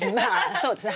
そうですね。